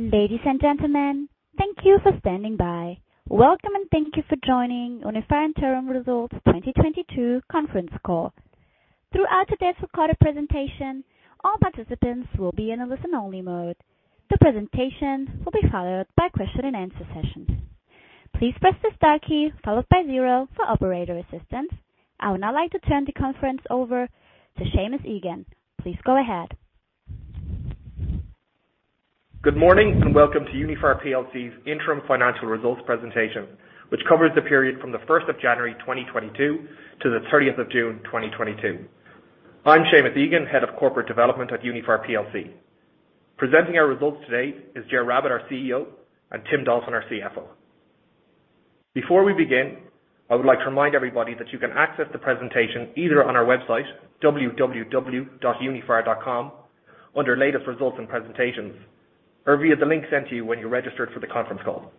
Ladies and gentlemen, thank you for standing by. Welcome and thank you for joining Uniphar Interim Results 2022 Conference Call. Throughout today's recorded presentation, all participants will be in a listen-only mode. The presentation will be followed by question and answer session. Please press the star key followed by zero for operator assistance. I would now like to turn the conference over to Seamus Egan. Please go ahead. Good morning and welcome to Uniphar plc's interim financial results presentation, which covers the period from the first of January 2022 to the thirtieth of June 2022. I'm Seamus Egan, Head of Corporate Development at Uniphar plc. Presenting our results today is Ger Rabbette, our CEO, and Tim Dolphin, our CFO. Before we begin, I would like to remind everybody that you can access the presentation either on our website www.uniphar.ie under Latest Results and Presentations, or via the link sent to you when you registered for the conference call.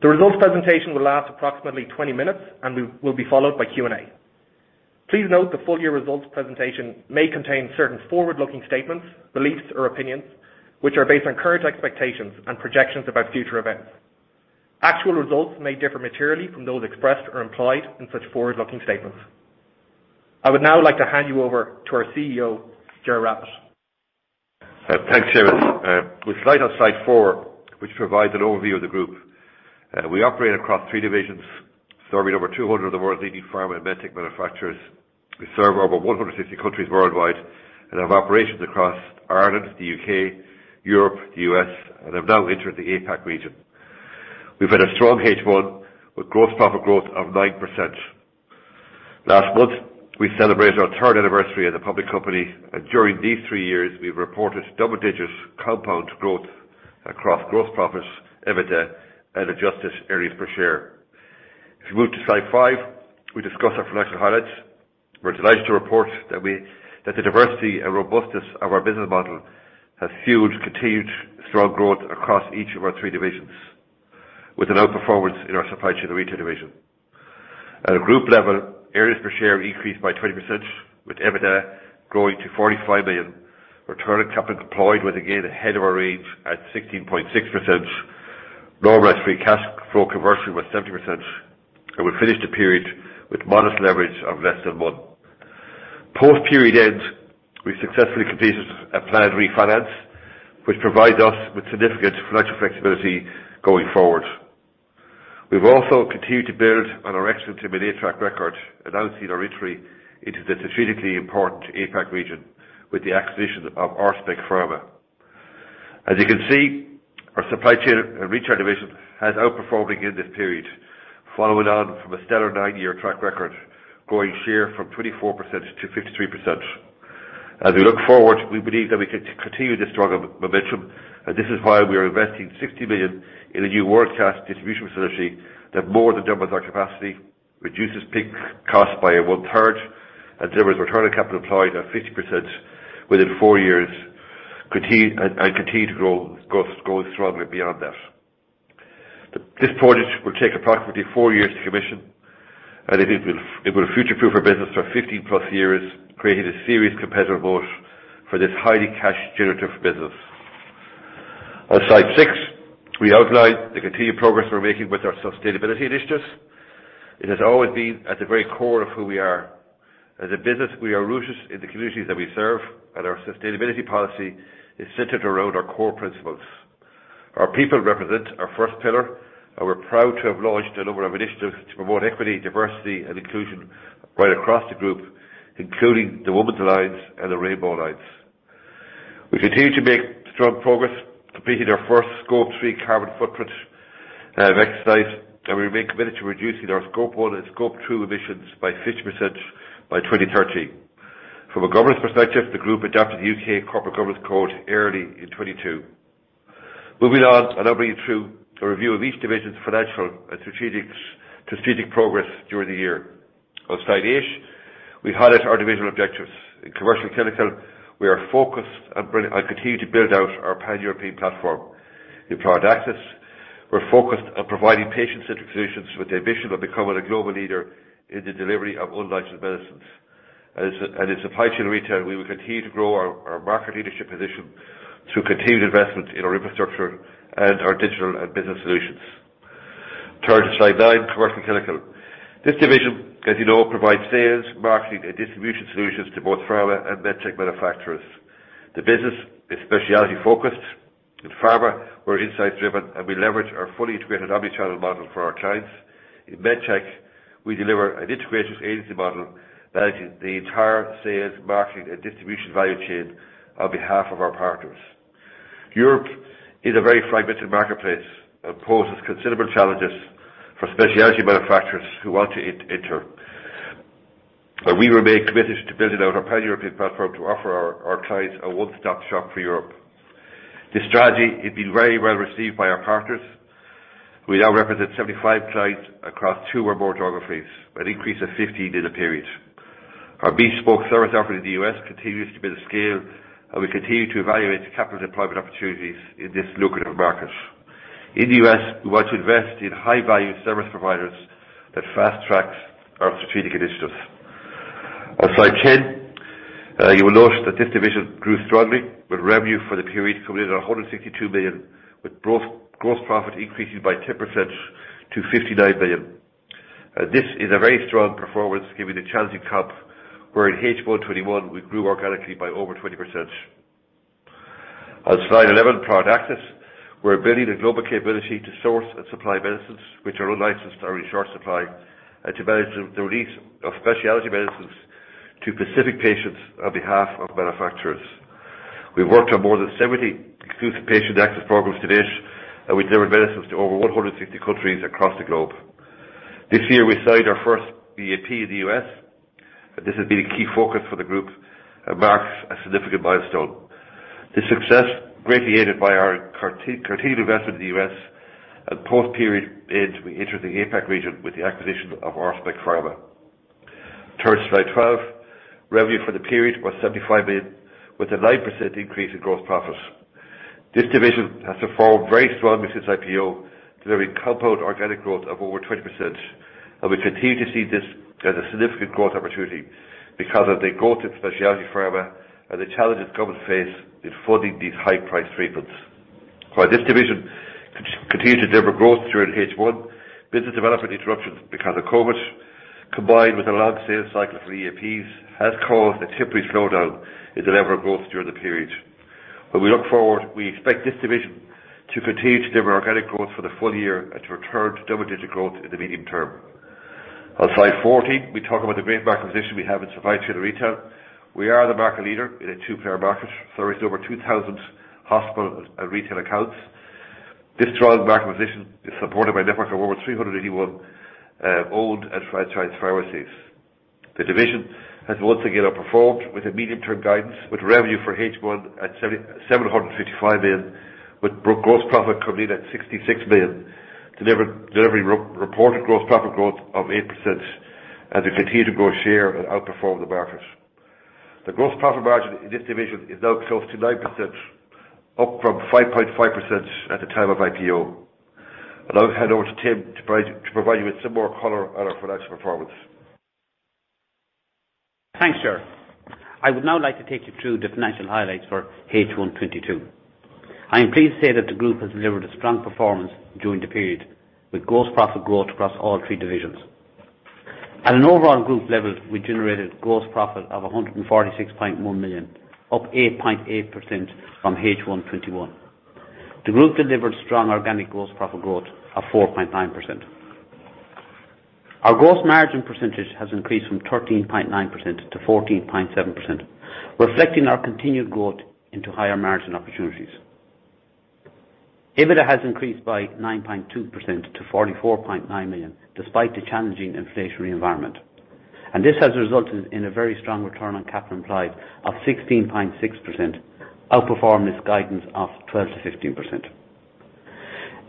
The results presentation will last approximately 20 minutes and will be followed by Q&A. Please note the full year results presentation may contain certain forward-looking statements, beliefs or opinions which are based on current expectations and projections about future events. Actual results may differ materially from those expressed or implied in such forward-looking statements. I would now like to hand you over to our CEO, Ger Rabbette. Thanks, Seamus. With slide four, which provides an overview of the group. We operate across three divisions, serving over 200 of the world's leading pharma and medtech manufacturers. We serve over 150 countries worldwide and have operations across Ireland, the U.K., Europe, the U.S., and have now entered the APAC region. We've had a strong H1 with gross profit growth of 9%. Last month, we celebrated our third anniversary as a public company, and during these three years, we've reported double-digit compound growth across gross profits, EBITDA and adjusted earnings per share. If you move to slide five, we discuss our financial highlights. We're delighted to report that the diversity and robustness of our business model has fueled continued strong growth across each of our three divisions, with an outperformance in our Supply Chain & Retail division. At a group level, EPS increased by 20%, with EBITDA growing to 45 million. Return on capital employed was again ahead of our range at 16.6%. Normalized free cash flow conversion was 70%, and we finished the period with modest leverage of less than 1. Post-period end, we successfully completed a planned refinance, which provides us with significant financial flexibility going forward. We've also continued to build on our excellent M&A track record, announcing our entry into the strategically important APAC region with the acquisition of Orspec Pharma. As you can see, our Supply Chain & Retail division has outperforming in this period, following on from a stellar 9-year track record, growing share from 24% to 53%. As we look forward, we believe that we can continue this strong momentum, and this is why we are investing 60 million in a new world-class distribution facility that more than doubles our capacity, reduces peak costs by one-third, and delivers return on capital employed of 50% within 4 years, continue to grow strongly beyond that. This project will take approximately 4 years to commission, and it will future-proof our business for 15+ years, creating a serious competitive moat for this highly cash generative business. On slide 6, we outline the continued progress we're making with our sustainability initiatives. It has always been at the very core of who we are. As a business, we are rooted in the communities that we serve, and our sustainability policy is centered around our core principles. Our people represent our first pillar, and we're proud to have launched a number of initiatives to promote equity, diversity, and inclusion right across the group, including the Women's Alliance and the Rainbow Alliance. We continue to make strong progress completing our first Scope 3 carbon footprint exercise, and we remain committed to reducing our Scope 1 and Scope 2 emissions by 50% by 2030. From a governance perspective, the group adopted the U.K. Corporate Governance Code early in 2022. Moving on, I'll now bring you through a review of each division's financial and strategic progress during the year. On slide 8, we highlight our divisional objectives. In Commercial and Clinical, we are focused on continuing to build out our Pan-European platform. In Product Access, we're focused on providing patient-centric solutions with the ambition of becoming a global leader in the delivery of unlicensed medicines. In Supply Chain and Retail, we will continue to grow our market leadership position through continued investment in our infrastructure and our digital and business solutions. Turning to slide 9, Commercial and Clinical. This division, as you know, provides sales, marketing and distribution solutions to both pharma and medtech manufacturers. The business is specialty-focused. In pharma, we're insights driven, and we leverage our fully integrated omni-channel model for our clients. In medtech, we deliver an integrated agency model managing the entire sales, marketing, and distribution value chain on behalf of our partners. Europe is a very fragmented marketplace and poses considerable challenges for specialty manufacturers who want to enter, but we remain committed to building out our Pan-European platform to offer our clients a one-stop shop for Europe. This strategy has been very well received by our partners. We now represent 75 clients across two or more geographies, an increase of 15 in the period. Our bespoke service offering in the US continues to build scale, and we continue to evaluate capital deployment opportunities in this lucrative market. In the US, we want to invest in high-value service providers that fast tracks our strategic initiatives. On slide 10, you will note that this division grew strongly with revenue for the period coming in at 162 million, with growth, gross profit increasing by 10% to 59 million. This is a very strong performance given the challenging comp where in H1 2021 we grew organically by over 20%. On slide 11, Product Access. We're building a global capability to source and supply medicines which are licensed or in short supply, and to manage the release of specialty medicines to specific patients on behalf of manufacturers. We've worked on more than 70 exclusive patient access programs to date, and we deliver medicines to over 160 countries across the globe. This year we signed our first EAP in the U.S.., and this has been a key focus for the group and marks a significant milestone. This success greatly aided by our continuous investment in the U.S. and post period into entering the APAC region with the acquisition of Orspec Pharma. Turn to slide 12. Revenue for the period was 75 million with a 9% increase in gross profit. This division has performed very strongly since IPO, delivering compound organic growth of over 20%. We continue to see this as a significant growth opportunity because of the growth in specialty pharma and the challenges governments face in funding these high price treatments. While this division continued to deliver growth during H1, business development interruptions because of COVID, combined with a long sales cycle for EAPs, has caused a temporary slowdown in the level of growth during the period. When we look forward, we expect this division to continue to deliver organic growth for the full year and to return to double-digit growth in the medium term. On slide 14, we talk about the great market position we have in Supply Chain & Retail. We are the market leader in a two-player market, servicing over 2,000 hospital and retail accounts. This strong market position is supported by a network of over 381 owned and franchised pharmacies. The division has once again outperformed with the medium term guidance, with revenue for H1 at 775 million, with gross profit coming in at 66 million, delivering reported gross profit growth of 8% as we continue to grow share and outperform the market. The gross profit margin in this division is now close to 9%, up from 5.5% at the time of IPO. I'll now hand over to Tim to provide you with some more color on our financial performance. Thanks, Ger. I would now like to take you through the financial highlights for H1 2022. I am pleased to say that the group has delivered a strong performance during the period with gross profit growth across all three divisions. At an overall group level, we generated gross profit of 146.1 million, up 8.8% from H1 2021. The group delivered strong organic gross profit growth of 4.9%. Our gross margin percentage has increased from 13.9% to 14.7%, reflecting our continued growth into higher margin opportunities. EBITDA has increased by 9.2% to 44.9 million, despite the challenging inflationary environment. This has resulted in a very strong return on capital employed of 16.6%, outperforming its guidance of 12%-16%.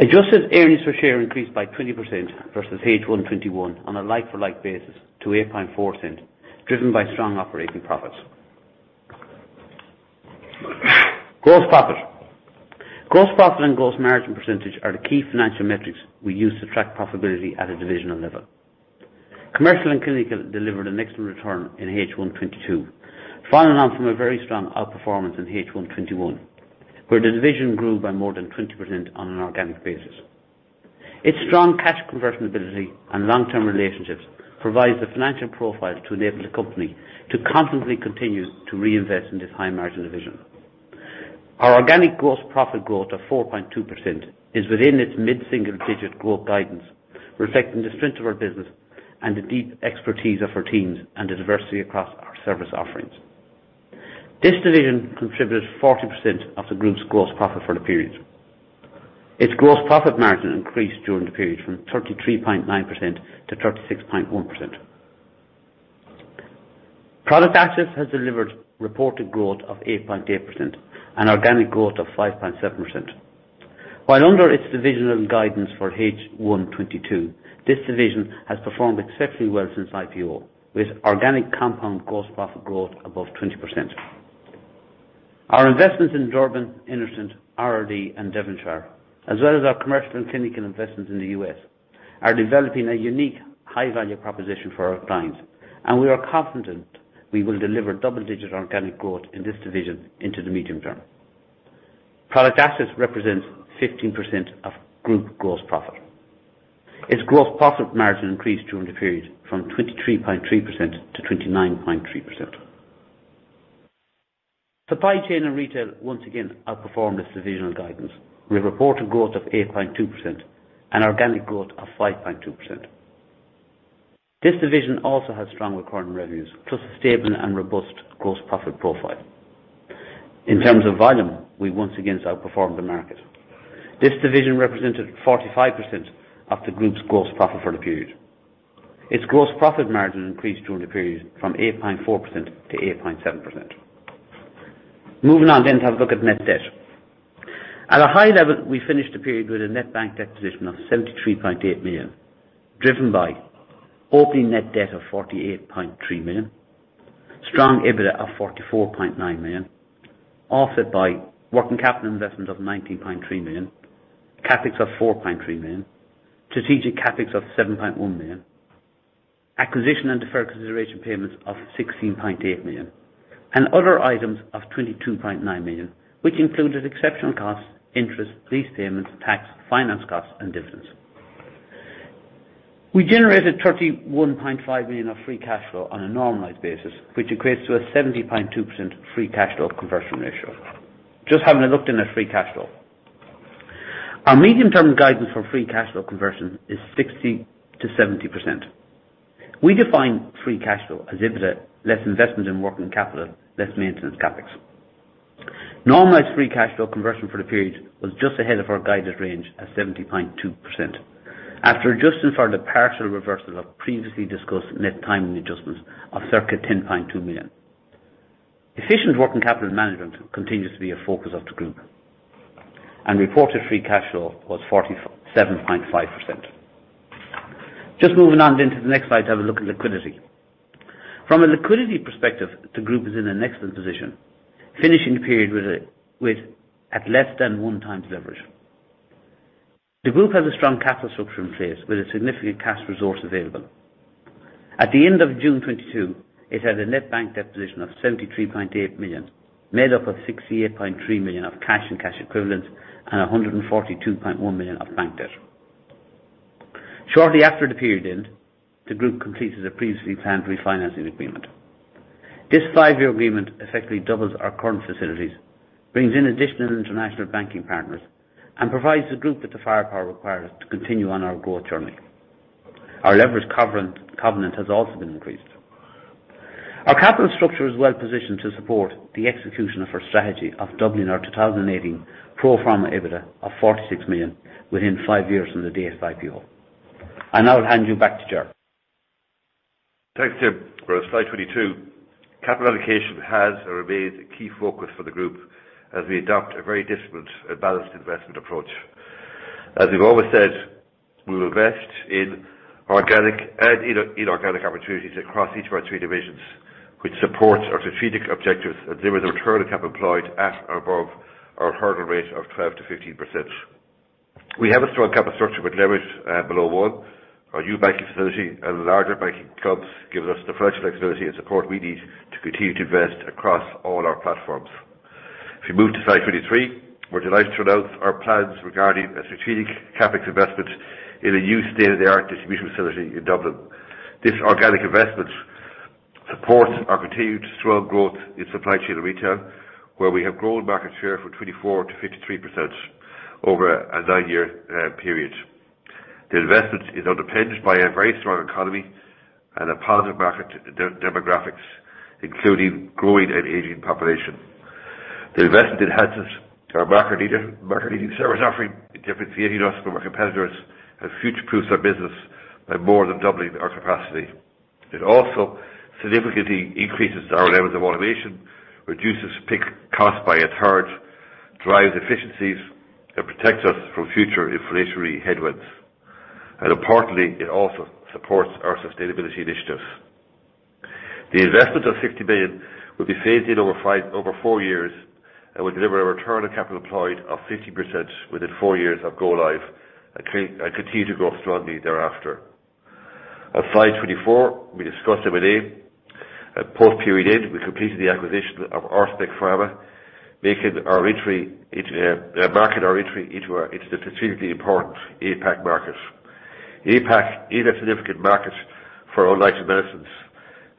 Adjusted earnings per share increased by 20% versus H1 2021 on a like for like basis to 0.084, driven by strong operating profits. Gross profit and gross margin percentage are the key financial metrics we use to track profitability at a divisional level. Commercial & Clinical delivered an excellent return in H1 2022, following on from a very strong outperformance in H1 2021, where the division grew by more than 20% on an organic basis. Its strong cash conversion ability and long-term relationships provides the financial profile to enable the company to confidently continue to reinvest in this high margin division. Our organic gross profit growth of 4.2% is within its mid-single digit growth guidance, reflecting the strength of our business and the deep expertise of our teams and the diversity across our service offerings. This division contributed 40% of the group's gross profit for the period. Its gross profit margin increased during the period from 33.9% to 36.1%. Product Access has delivered reported growth of 8.8% and organic growth of 5.7%. While under its divisional guidance for H1 2022, this division has performed exceptionally well since IPO, with organic compound gross profit growth above 20%. Our investments in Durbin, InnoVenn, RRD, and Devonshire, as well as our Commercial & Clinical investments in the U.S., are developing a unique high value proposition for our clients, and we are confident we will deliver double-digit organic growth in this division into the medium term. Product Access represents 15% of group gross profit. Its gross profit margin increased during the period from 23.3% to 29.3%. Supply Chain & Retail once again outperformed its divisional guidance with reported growth of 8.2% and organic growth of 5.2%. This division also has strong recurring revenues, plus a stable and robust gross profit profile. In terms of volume, we once again outperformed the market. This division represented 45% of the group's gross profit for the period. Its gross profit margin increased during the period from 8.4% to 8.7%. Moving on to have a look at net debt. At a high level, we finished the period with a net bank debt position of 73.8 million, driven by opening net debt of 48.3 million. Strong EBITDA of 44.9 million, offset by working capital investment of 19.3 million, CapEx of 4.3 million, strategic CapEx of 7.1 million, acquisition and deferred consideration payments of 16.8 million, and other items of 22.9 million, which included exceptional costs, interest, lease payments, tax, finance costs, and dividends. We generated 31.5 million of free cash flow on a normalized basis, which equates to a 70.2% free cash flow conversion ratio. Just having a look at net free cash flow. Our medium-term guidance for free cash flow conversion is 60%-70%. We define free cash flow as EBITDA less investment in working capital, less maintenance CapEx. Normalized free cash flow conversion for the period was just ahead of our guided range at 70.2%. After adjusting for the partial reversal of previously discussed net timing adjustments of circa 10.2 million. Efficient working capital management continues to be a focus of the group, and reported free cash flow was 47.5%. Just moving on to the next slide to have a look at liquidity. From a liquidity perspective, the group is in an excellent position, finishing the period with at less than 1x leverage. The group has a strong capital structure in place with a significant cash resource available. At the end of June 2022, it had a net bank debt position of 73.8 million, made up of 68.3 million of cash and cash equivalents and 142.1 million of bank debt. Shortly after the period end, the group completed a previously planned refinancing agreement. This five-year agreement effectively doubles our current facilities, brings in additional international banking partners, and provides the group with the firepower required to continue on our growth journey. Our leverage covenant has also been increased. Our capital structure is well-positioned to support the execution of our strategy of doubling our 2018 pro forma EBITDA of 46 million within five years from the date of IPO. Now I'll hand you back to Ger. Thanks, Tim. For slide 22. Capital allocation has and remains a key focus for the group as we adopt a very disciplined and balanced investment approach. As we've always said, we will invest in organic and inorganic opportunities across each of our three divisions, which supports our strategic objectives and delivers a return on capital employed at or above our hurdle rate of 12%-15%. We have a strong capital structure with leverage below one. Our new banking facility and larger banking clubs gives us the financial flexibility and support we need to continue to invest across all our platforms. If you move to slide 23, we're delighted to announce our plans regarding a strategic CapEx investment in a new state-of-the-art distribution facility in Dublin. This organic investment supports our continued strong growth in supply chain and retail, where we have grown market share from 24% to 53% over a 9-year period. The investment is underpinned by a very strong economy and a positive market demographics, including growing and aging population. The investment enhances our market-leading service offering, differentiating us from our competitors, and future-proofs our business by more than doubling our capacity. It also significantly increases our levels of automation, reduces pick costs by a third, drives efficiencies, and protects us from future inflationary headwinds. Importantly, it also supports our sustainability initiatives. The investment of 60 million will be phased in over four years and will deliver a return on capital employed of 50% within four years of go live and continue to grow strongly thereafter. On slide 24, we discuss M&A. At post period end, we completed the acquisition of Orspec Pharma, making our entry into the strategically important APAC market. APAC is a significant market for all licensed medicines,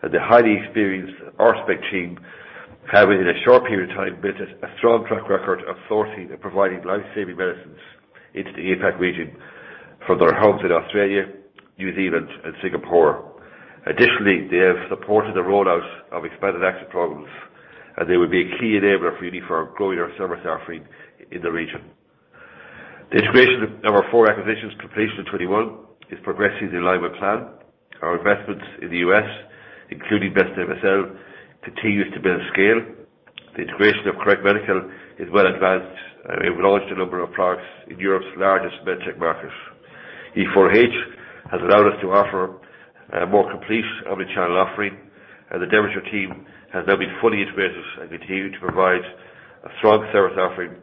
and the highly experienced Orspec team have in a short period of time built a strong track record of sourcing and providing life-saving medicines into the APAC region from their homes in Australia, New Zealand, and Singapore. Additionally, they have supported the rollout of expanded access programs, and they will be a key enabler for Uniphar growing our service offering in the region. The integration of our four acquisitions completed in 2021 is progressing in line with plan. Our investments in the U.S., including BESTMSLs continues to build scale. The integration of C.O.R.Rect Medical is well advanced, and we've launched a number of products in Europe's largest med tech market. E4H has allowed us to offer a more complete omnichannel offering, and the D-HR has now been fully integrated and continue to provide a strong service offering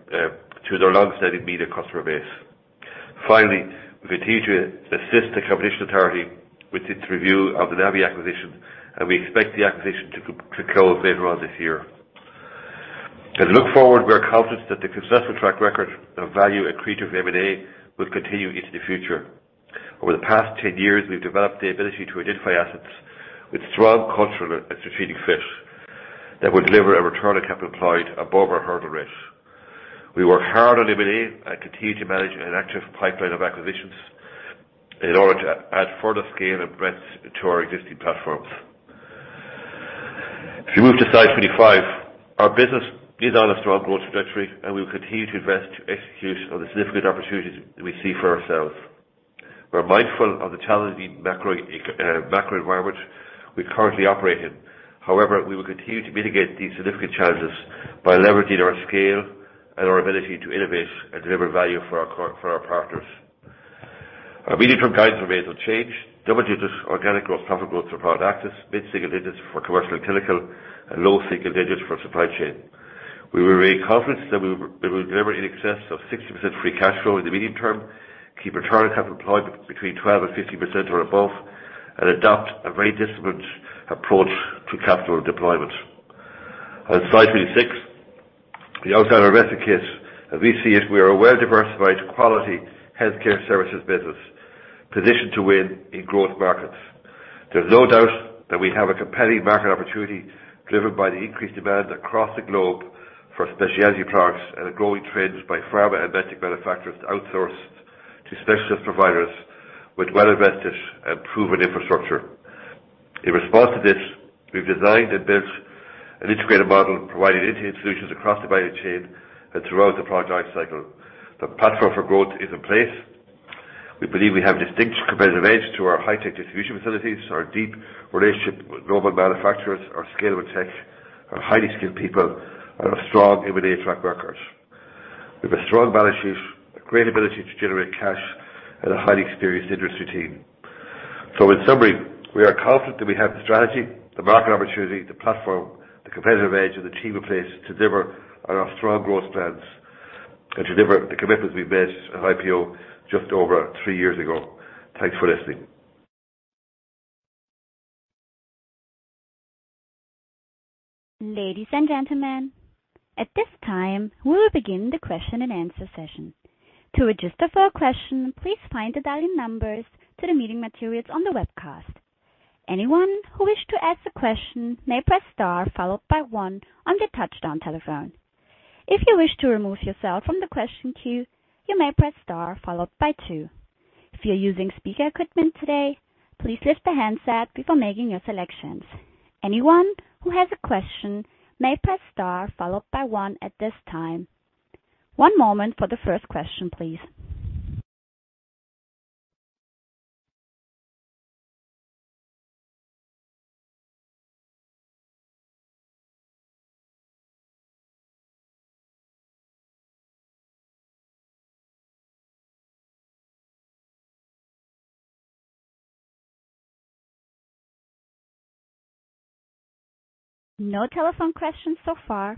to their long-standing media customer base. Finally, we continue to assist the Competition Authority with its review of the Navi Group acquisition, and we expect the acquisition to close later on this year. As we look forward, we are confident that the successful track record of value-accretive M&A will continue into the future. Over the past 10 years, we've developed the ability to identify assets with strong cultural and strategic fit that will deliver a return on capital employed above our hurdle rate. We work hard on M&A and continue to manage an active pipeline of acquisitions in order to add further scale and breadth to our existing platforms. If you move to slide 25, our business is on a strong growth trajectory, and we will continue to invest to execute on the significant opportunities we see for ourselves. We're mindful of the challenging macro environment we currently operate in. However, we will continue to mitigate these significant challenges by leveraging our scale and our ability to innovate and deliver value for our partners. Our medium-term guidance remains unchanged. Double-digit organic growth, profit growth for Product Access, mid-single-digit for Commercial & Clinical, and low single-digit for Supply Chain. We will remain confident that we will deliver in excess of 60% free cash flow in the medium term, keep return on capital employed between 12% and 15% or above, and adopt a very disciplined approach to capital deployment. On slide 26, the outsider investor case. As we see it, we are a well-diversified quality healthcare services business positioned to win in growth markets. There's no doubt that we have a compelling market opportunity driven by the increased demand across the globe for specialty products and the growing trends by pharma and medtech manufacturers to outsource to specialist providers with well-invested and proven infrastructure. In response to this, we've designed and built an integrated model providing end-to-end solutions across the value chain and throughout the project cycle. The platform for growth is in place. We believe we have distinct competitive edge to our high-tech distribution facilities, our deep relationship with global manufacturers, our scalable tech, our highly skilled people, and a strong M&A track record. We have a strong balance sheet, a great ability to generate cash, and a highly experienced industry team. In summary, we are confident that we have the strategy, the market opportunity, the platform, the competitive edge, and the team in place to deliver on our strong growth plans and to deliver the commitments we've made at IPO just over three years ago. Thanks for listening. Ladies and gentlemen, at this time, we will begin the question-and-answer session. To register for a question, please find the dial-in numbers to the meeting materials on the webcast. Anyone who wishes to ask a question may press star followed by one on their touch-tone telephone. If you wish to remove yourself from the question queue, you may press star followed by two. If you're using speaker equipment today, please lift the handset before making your selections. Anyone who has a question may press star followed by one at this time. One moment for the first question, please. No telephone questions so far.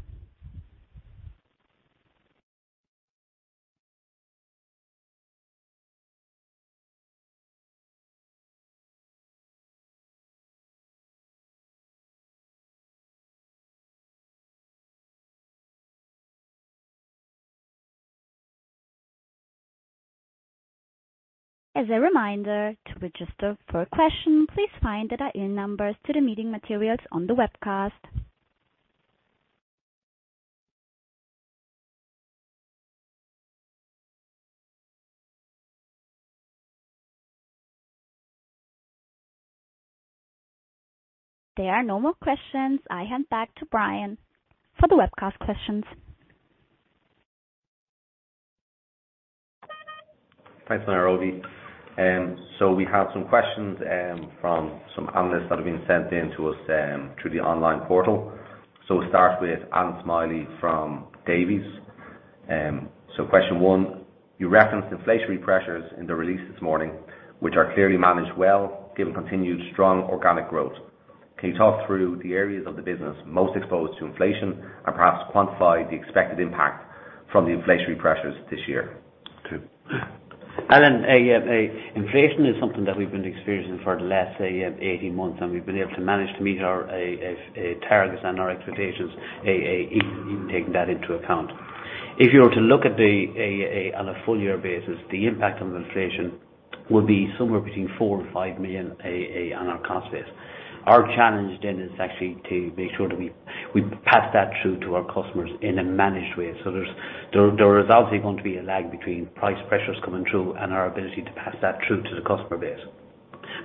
As a reminder, to register for a question, please find the dial-in numbers to the meeting materials on the webcast. There are no more questions. I hand back to Brian for the webcast questions. Thanks, Operator. We have some questions from some analysts that have been sent in to us through the online portal. We'll start with Allan Smylie from Davy. Question one, you referenced inflationary pressures in the release this morning, which are clearly managed well given continued strong organic growth. Can you talk through the areas of the business most exposed to inflation and perhaps quantify the expected impact from the inflationary pressures this year? 2. Allan, yeah, inflation is something that we've been experiencing for the last 18 months, and we've been able to manage to meet our targets and our expectations, even taking that into account. If you were to look at the on a full year basis, the impact on the inflation will be somewhere between 4 million-5 million on our cost base. Our challenge then is actually to make sure that we pass that through to our customers in a managed way. There was obviously going to be a lag between price pressures coming through and our ability to pass that through to the customer base.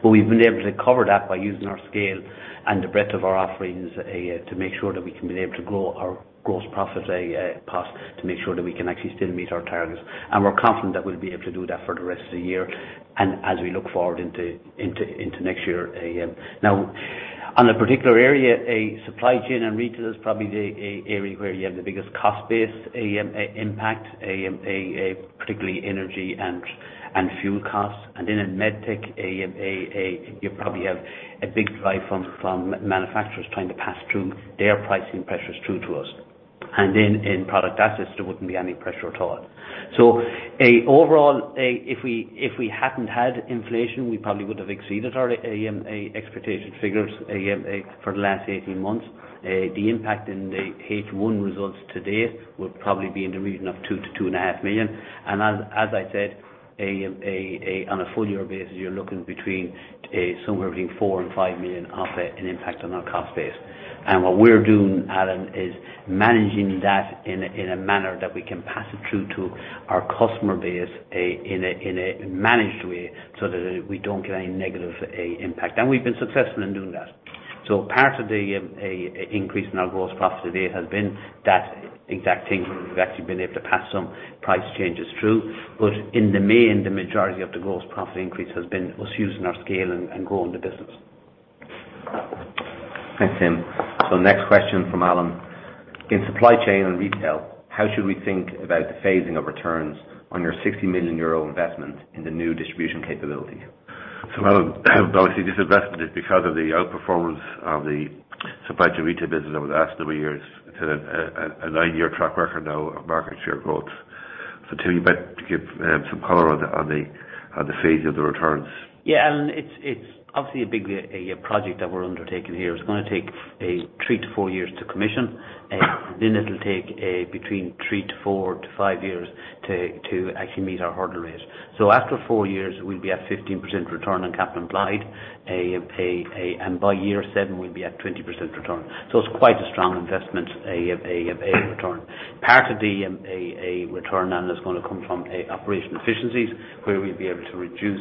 We've been able to cover that by using our scale and the breadth of our offerings to make sure that we can be able to grow our gross profit path to make sure that we can actually still meet our targets. We're confident that we'll be able to do that for the rest of the year and as we look forward into next year. Now on a particular area, Supply Chain & Retail is probably the area where you have the biggest cost base impact, particularly energy and fuel costs. In MedTech, you probably have a big drive from manufacturers trying to pass through their pricing pressures through to us. In Product Access, there wouldn't be any pressure at all. Overall, if we hadn't had inflation, we probably would have exceeded our expectation figures for the last 18 months. The impact in the H1 results to date would probably be in the region of 2-2.5 million. As I said, on a full year basis, you're looking between somewhere between 4-5 million off it in impact on our cost base. What we're doing, Allan, is managing that in a manner that we can pass it through to our customer base in a managed way so that we don't get any negative impact. We've been successful in doing that. Part of the increase in our gross profit to date has been that exact thing, where we've actually been able to pass some price changes through. In the main, the majority of the gross profit increase has been us using our scale and growing the business. Thanks, Tim. Next question from Allan. In Supply Chain & Retail, how should we think about the phasing of returns on your 60 million euro investment in the new distribution capabilities? Allan, obviously, this investment is because of the outperformance of the Supply Chain & Retail business over the last number of years to a nine-year track record now of market share growth. Tim, you might give some color on the phase of the returns. Yeah, Allan, it's obviously a big project that we're undertaking here. It's gonna take 3-4 years to commission. Then it'll take between 3 to 4 to 5 years to actually meet our hurdle rate. After 4 years, we'll be at 15% return on capital employed. By year 7, we'll be at 20% return. It's quite a strong investment return. Part of the return, Allan, is gonna come from operational efficiencies, where we'll be able to reduce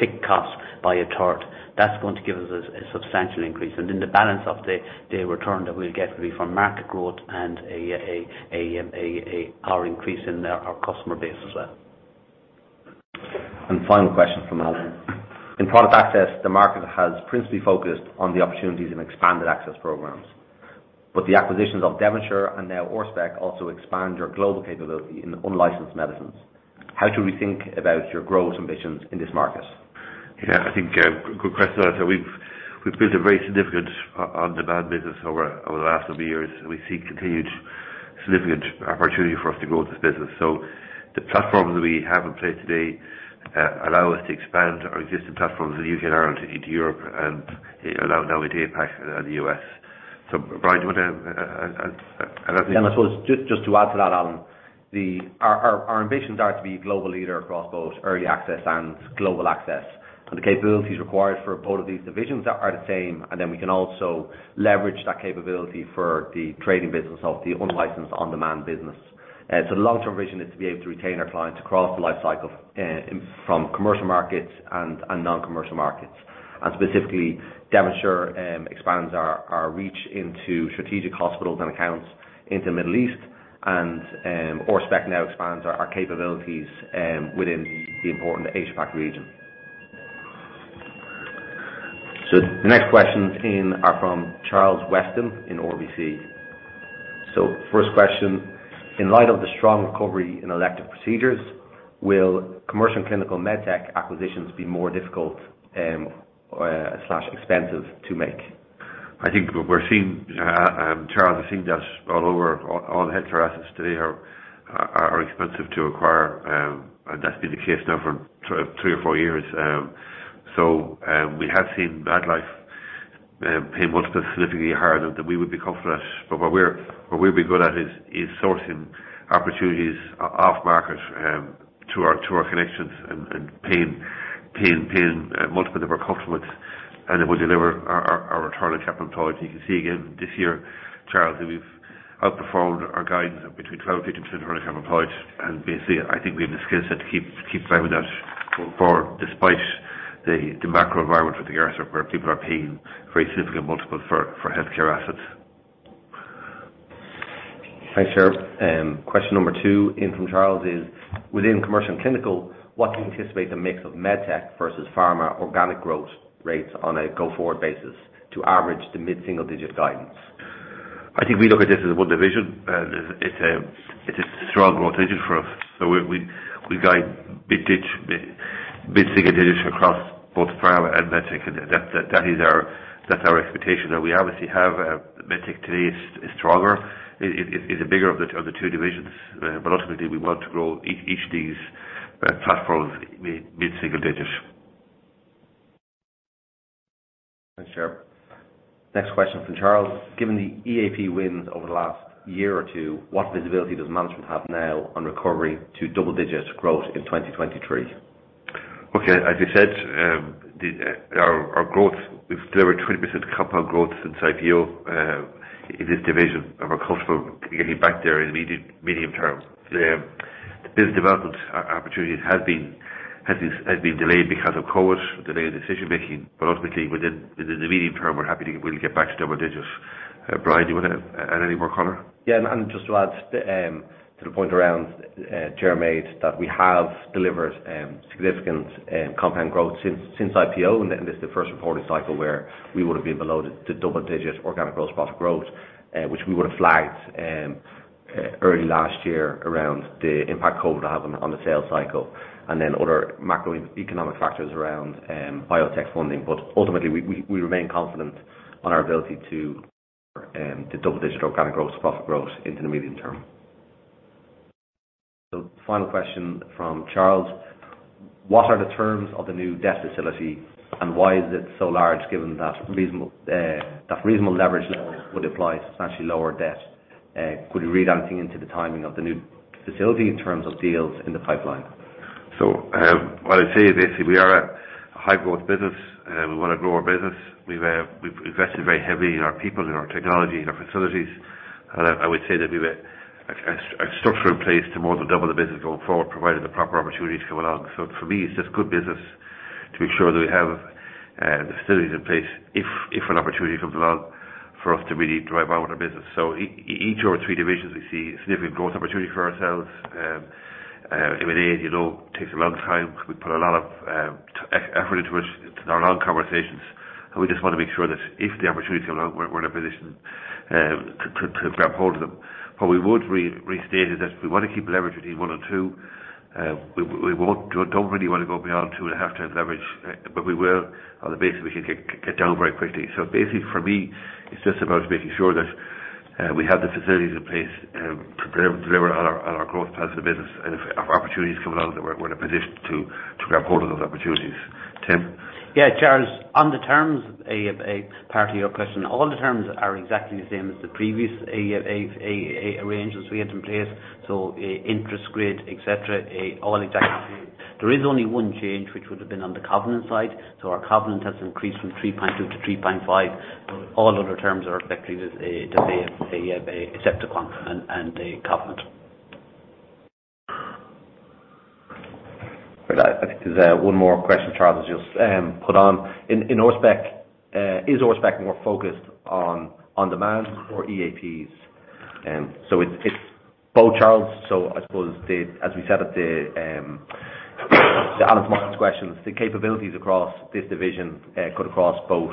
our pick costs by a third. That's going to give us a substantial increase. Then the balance of the return that we'll get will be from market growth and a powerful increase in our customer base as well. Final question from Allan. In Product Access, the market has principally focused on the opportunities in Expanded Access Programs. The acquisitions of Devonshire and now Orspec also expand your global capability in unlicensed medicines. How should we think about your growth ambitions in this market? Yeah, I think, good question, Allan. We've built a very significant on-demand business over the last number of years. We see continued significant opportunity for us to grow this business. The platforms we have in place today allow us to expand our existing platforms in the U.K. and Ireland into Europe and now with APAC and the U.S. Brian, do you wanna add anything? Yeah, I suppose just to add to that, Allan. Our ambitions are to be global leader across both early access and global access. The capabilities required for both of these divisions are the same, and then we can also leverage that capability for the trading business of the unlicensed on-demand business. The long-term vision is to be able to retain our clients across the life cycle from commercial markets and non-commercial markets. Specifically, Devonshire expands our reach into strategic hospitals and accounts into Middle East and Orspec now expands our capabilities within the important APAC region. The next questions in are from Charles Weston in RBC. First question, in light of the strong recovery in elective procedures, will Commercial & Clinical medtech acquisitions be more difficult or expensive to make? I think what we're seeing, Charles, I think that all over, all healthcare assets today are expensive to acquire. That's been the case now for three or four years. So, we have seen buy-side pay multiples significantly higher than we would be comfortable at. But what we'll be good at is sourcing opportunities off market through our connections and paying multiples that we're comfortable with. It will deliver our return on capital employed. You can see again, this year, Charles, that we've outperformed our guidance between 12% to 15% return on capital employed. Basically, I think we have the skill set to keep playing with that going forward, despite the macro environment of the year, so where people are paying very significant multiples for healthcare assets. Thanks, Charles. Question number two in from Charles is, within Commercial & Clinical, what do you anticipate the mix of med tech versus pharma organic growth rates on a go-forward basis to average the mid-single-digit guidance? I think we look at this as one division. It's a strong growth division for us. We guide mid-single digits across both pharma and med tech. That is our expectation. Now we obviously have, med tech today is stronger, is bigger of the two divisions. Ultimately, we want to grow each of these platforms mid-single digits. Thanks, Charles Weston. Next question from Charles Weston. Given the EAP wins over the last year or two, what visibility does management have now on recovery to double-digit growth in 2023? Okay. As I said, our growth, we've delivered 20% compound growth since IPO in this division. We're comfortable getting back there in the medium term. The business development opportunity has been delayed because of COVID, delayed decision-making, but ultimately within the medium term, we'll get back to double digits. Brian, do you wanna add any more color? Just to add to the point around Charles made, that we have delivered significant compound growth since IPO. This is the first reported cycle where we would've been below the double-digit organic gross profit growth, which we would've flagged early last year around the impact COVID will have on the sales cycle and then other macroeconomic factors around biotech funding. But ultimately, we remain confident on our ability to double-digit organic gross profit growth into the medium term. Final question from Charles. What are the terms of the new debt facility, and why is it so large given that reasonable leverage levels would apply to substantially lower debt? Could you read anything into the timing of the new facility in terms of deals in the pipeline? What I'd say is basically we are a high-growth business. We wanna grow our business. We've invested very heavily in our people, in our technology, in our facilities. I would say that we have a structure in place to more than double the business going forward, provided the proper opportunity to come along. For me, it's just good business to ensure that we have the facilities in place if an opportunity comes along for us to really drive out with our business. Each of our three divisions, we see significant growth opportunity for ourselves. M&A, you know, takes a long time. We put a lot of effort into it. It's been a long conversation, and we just wanna make sure that if the opportunity come along, we're in a position to grab hold of them. What we would restate is that we wanna keep leverage between 1 and 2. We don't really wanna go beyond 2.5 times leverage, but we will on the basis we can get down very quickly. Basically for me, it's just about making sure that we have the facilities in place to deliver on our growth paths of the business. If opportunities come along the way, we're in a position to grab hold of those opportunities. Tim. Yeah, Charles, on the terms, a part of your question, all the terms are exactly the same as the previous arrangements we had in place. Interest grid, et cetera, all exactly the same. There is only one change which would have been on the covenant side. Our covenant has increased from 3.2 to 3.5. All other terms are exactly the same, except the pricing and the covenant. Right. I think there's one more question Charles has just put on. In Orspec, is Orspec more focused on demand for EAPs? It's both Charles. I suppose as we said at the analyst margin questions, the capabilities across this division cut across both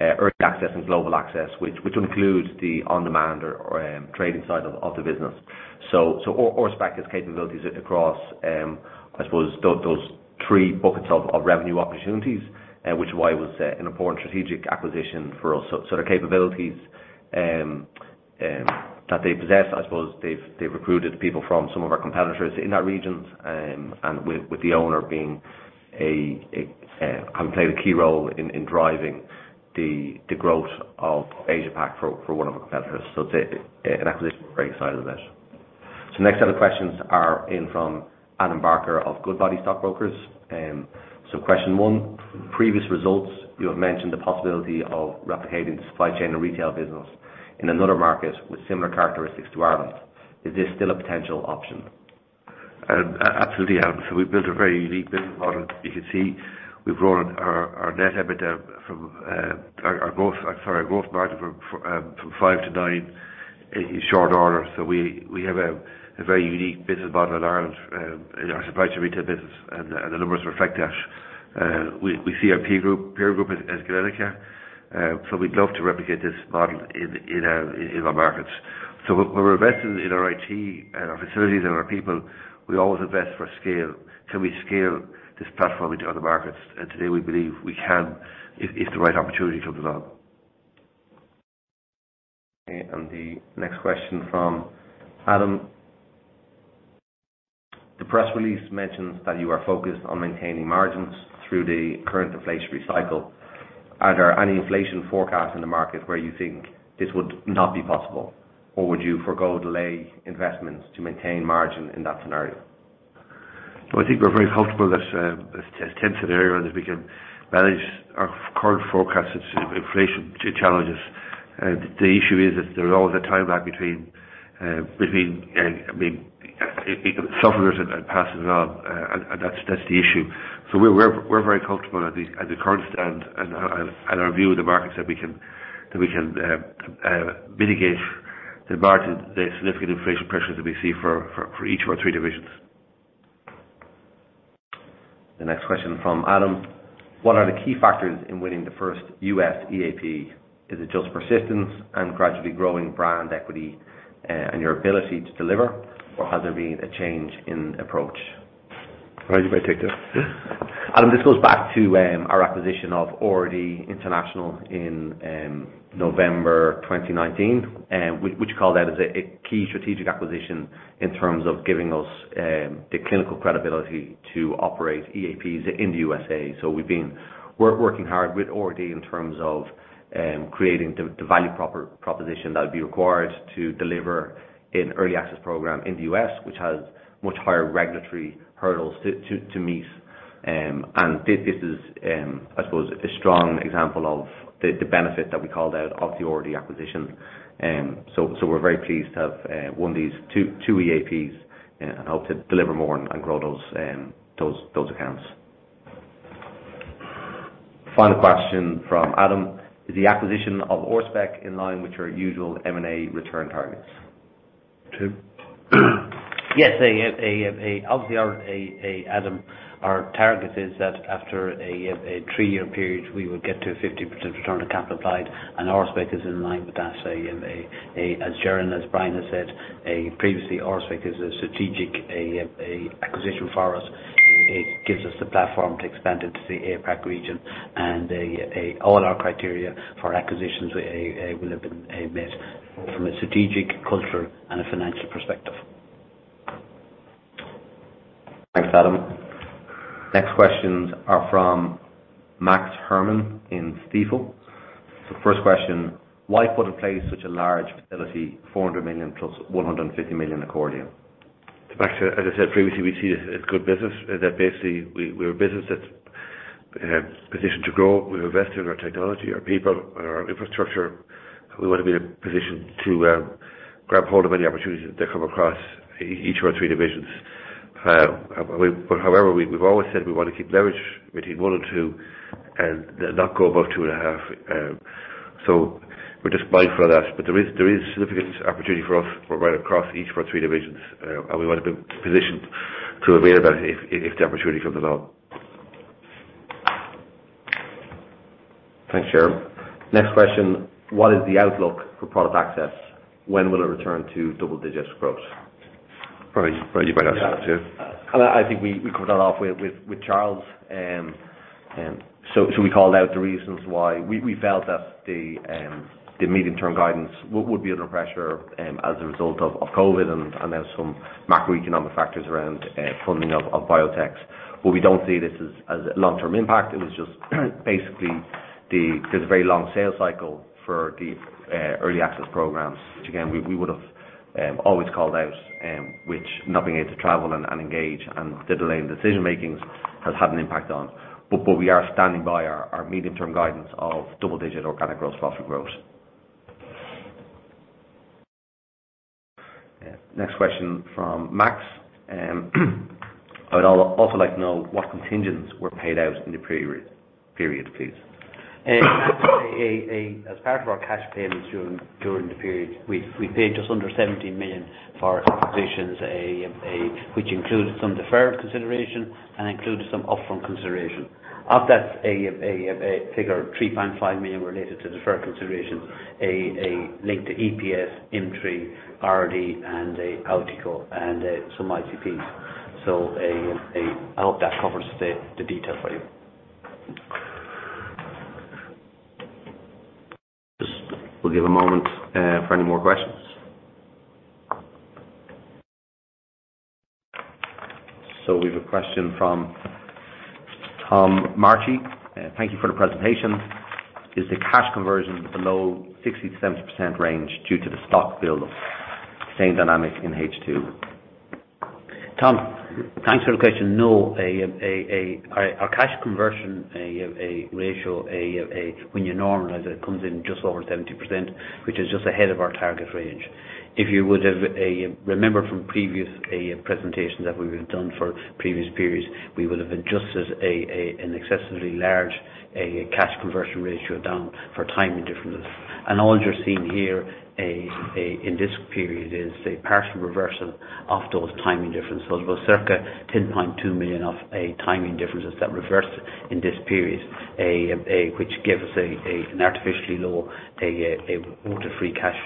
early access and global access, which includes the on-demand or trading side of the business. Orspec has capabilities across I suppose those three buckets of revenue opportunities, which is why it was an important strategic acquisition for us. Their capabilities that they possess I suppose they've recruited people from some of our competitors in that region. With the owner being a man who can play a key role in driving the growth of Asia Pac for one of our competitors. It's an acquisition we're very excited about. Next set of questions are in from Adam Barker of Goodbody Stockbrokers. Question one, previous results, you have mentioned the possibility of replicating the Supply Chain & Retail business in another market with similar characteristics to Ireland. Is this still a potential option? Absolutely, Adam. We've built a very unique business model. You can see we've grown our growth margin from 5%-9% in short order. We have a very unique business model in Ireland in our Supply Chain & Retail business, and the numbers reflect that. We see our peer group as Galenica. We'd love to replicate this model in more markets. When we're investing in our IT and our facilities and our people, we always invest for scale. Can we scale this platform into other markets? Today, we believe we can if the right opportunity comes along. Okay. The next question from Adam. The press release mentions that you are focused on maintaining margins through the current inflationary cycle. Are there any inflation forecasts in the market where you think this would not be possible? Or would you forego delay investments to maintain margin in that scenario? I think we're very comfortable that, as Tim said earlier on, that we can manage our current forecast inflation challenges. The issue is that there's always a time lag between suffering and passing it on, I mean, and that's the issue. We're very comfortable at the current stance and our view of the markets that we can mitigate the significant inflation pressures that we see for each of our three divisions. The next question from Adam. What are the key factors in winning the first U.S. EAP? Is it just persistence and gradually growing brand equity, and your ability to deliver, or has there been a change in approach? Why don't you take this? Adam, this goes back to our acquisition of RRD International in November 2019. Which we called out as a key strategic acquisition in terms of giving us the clinical credibility to operate EAPs in the USA. We've been working hard with RRD in terms of creating the value proposition that would be required to deliver an early access program in the U.S., which has much higher regulatory hurdles to meet. This is, I suppose, a strong example of the benefit that we called out of the RRD acquisition. We're very pleased to have won these two EAPs and hope to deliver more and grow those accounts. Final question from Adam. Is the acquisition of Orspec in line with your usual M&A return targets? Tim. Obviously, Adam, our target is that after a three-year period, we will get to a 50% return on capital employed, and Orspec is in line with that. As Ger and Brian has said previously, Orspec is a strategic acquisition for us. It gives us the platform to expand into the APAC region. All our criteria for acquisitions will have been met from a strategic, cultural and financial perspective. Thanks, Adam. Next questions are from Max Herrmann in Stifel. First question, why put in place such a large facility, 400 million + 150 million accordion? Max, as I said previously, we see this as good business, that basically we're a business that's positioned to grow. We've invested in our technology, our people, and our infrastructure. We want to be in a position to grab hold of any opportunities that come across each of our three divisions. However, we've always said we want to keep leverage between 1 and 2 and then not go above 2.5. We're just mindful of that. There is significant opportunity for us right across each of our three divisions. We wanna be positioned to avail that if the opportunity comes along. Thanks, Ger. Next question. What is the outlook for Product Access? When will it return to double-digit growth? Probably you're better answering that too. I think we covered that off with Charles. We called out the reasons why we felt that the medium-term guidance would be under pressure as a result of COVID and then some macroeconomic factors around funding of biotechs. We don't see this as a long-term impact. It was just basically. There's a very long sales cycle for the early access programs, which again we would've always called out, which not being able to travel and engage and the delay in decision making has had an impact on. We are standing by our medium-term guidance of double digit organic growth, profit growth. Yeah. Next question from Max. I would also like to know what contingents were paid out in the period, please. As part of our cash payments during the period, we paid just under 17 million for our acquisitions, which included some deferred consideration and included some upfront consideration. Of that, 3.5 million related to deferred consideration linked to EPS, M3, RRD, and OUTiCO, and some ICPs. I hope that covers the detail for you. We'll give a moment for any more questions. We have a question from Tomas Martin. Thank you for the presentation. Is the cash conversion below 60%-70% range due to the stock build of same dynamic in H2? Tom, thanks for the question. No. Our cash conversion ratio, when you normalize it, comes in just over 70%, which is just ahead of our target range. If you would have remember from previous presentations that we have done for previous periods, we would've adjusted an excessively large cash conversion ratio down for timing differences. All that you're seeing here in this period is a partial reversal of those timing differences. There was circa 10.2 million of timing differences that reversed in this period. Which gave us an artificially low free cash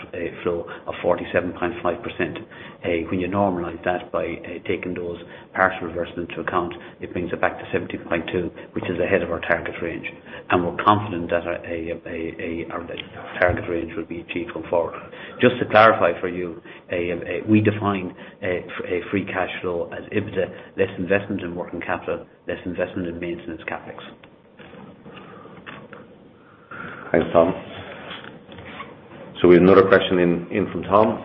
flow of 47.5%. When you normalize that by taking those partial reversals into account, it brings it back to 17.2%, which is ahead of our target range. We're confident that our target range will be achieved going forward. Just to clarify for you, we define free cash flow as EBITDA less investment in working capital, less investment in maintenance CapEx. Thanks, Tom. We have another question in from Tom.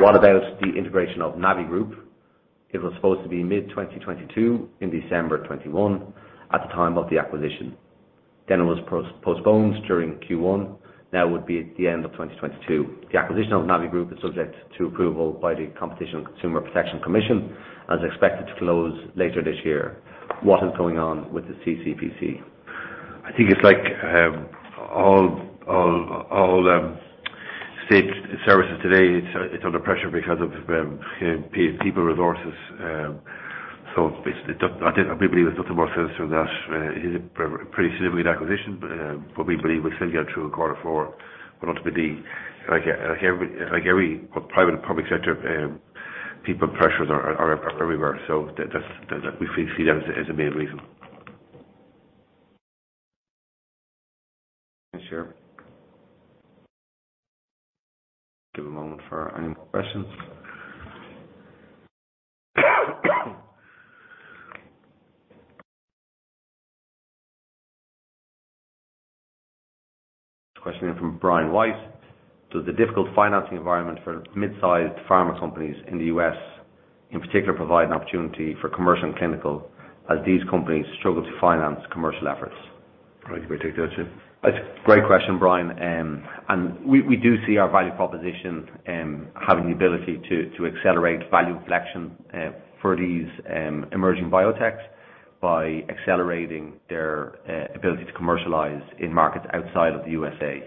What about the integration of Navi Group? It was supposed to be mid-2022 in December 2021 at the time of the acquisition. Then it was postponed during Q1. Now it would be at the end of 2022. The acquisition of Navi Group is subject to approval by the Competition and Consumer Protection Commission and is expected to close later this year. What is going on with the CCPC? I think it's like all state services today it's under pressure because of people resources. Basically we believe there's nothing more to that. It is a pretty significant acquisition. We believe we'll still get through in quarter four. Ultimately, like every private and public sector, people pressures are everywhere. That's. We see that as a main reason. Thanks, Ger. Give a moment for any more questions. Question in from Brian White. Does the difficult financing environment for mid-sized pharma companies in the U.S., in particular, provide an opportunity for Commercial & Clinical as these companies struggle to finance commercial efforts? Brian, you may take that too. It's a great question, Brian. We do see our value proposition having the ability to accelerate value collection for these emerging biotechs by accelerating their ability to commercialize in markets outside of the USA.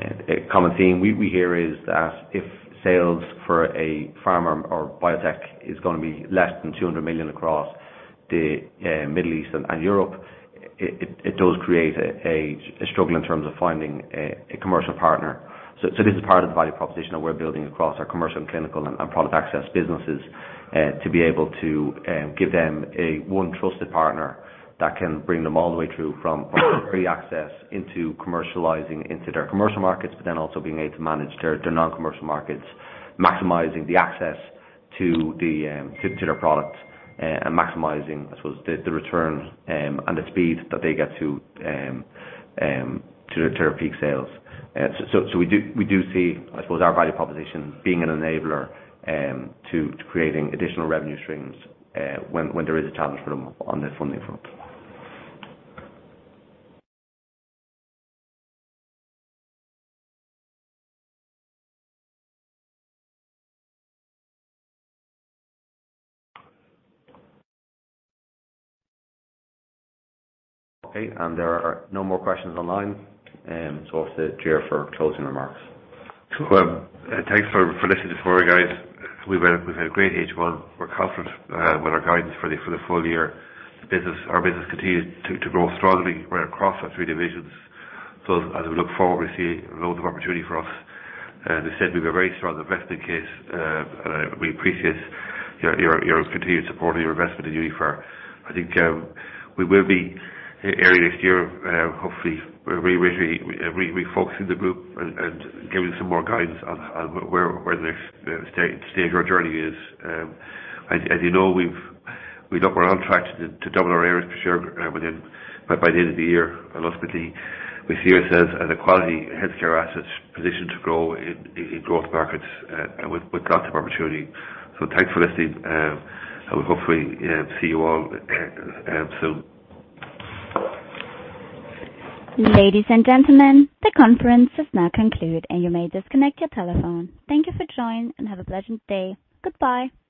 A common theme we hear is that if sales for a pharma or biotech is gonna be less than 200 million across the Middle East and Europe, it does create a struggle in terms of finding a commercial partner. This is part of the value proposition that we're building across our Commercial & Clinical and Product Access businesses, to be able to give them a one-stop trusted partner that can bring them all the way through from pre-access into commercializing into their commercial markets, but then also being able to manage their non-commercial markets, maximizing the access to their products, and maximizing, I suppose, the returns and the speed that they get to their peak sales. We do see, I suppose, our value proposition being an enabler to creating additional revenue streams, when there is a challenge for them on the funding front. Okay. There are no more questions online. Off to Ger for closing remarks. Thanks for listening to this quarter, guys. We've had a great H1. We're confident with our guidance for the full year. Our business continued to grow strongly right across our three divisions. As we look forward, we see loads of opportunity for us. As I said, we've a very strong investment case. We appreciate your continued support and your investment in Uniphar. I think we will be early next year hopefully refocusing the group and giving some more guidance on where the next stage of our journey is. As you know, we're on track to double our earnings per share by the end of the year. Ultimately, we see ourselves as a quality healthcare asset positioned to grow in growth markets, with lots of opportunity. Thanks for listening. We'll hopefully see you all soon. Ladies and gentlemen, the conference is now concluded and you may disconnect your telephone. Thank you for joining and have a pleasant day. Goodbye.